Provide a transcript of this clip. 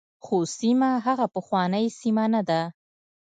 خو سیمه هغه پخوانۍ سیمه نه ده.